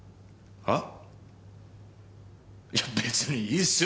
いや別にいいっすよ